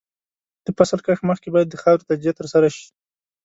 د فصل کښت مخکې باید د خاورې تجزیه ترسره شي.